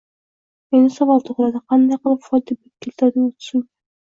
Endi savol tug‘iladi, qanday qilib foyda keltirdi u tuzumga?